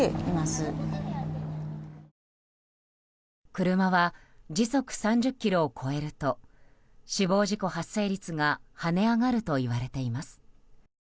車は時速３０キロを超えると死亡事故発生率が跳ね上がるといわれています。